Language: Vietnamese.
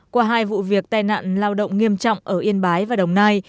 qua hai vụ việc tai nạn lao động nghiêm trọng ở yên bái và đồng nai